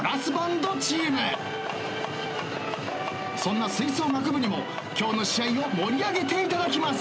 そんな吹奏楽部にも今日の試合を盛り上げていただきます。